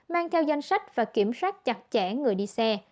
mang theo danh sách và kiểm soát chặt chẽ người đi xe